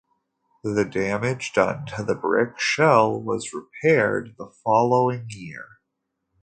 The damage done to the brick shell was repaired the following year.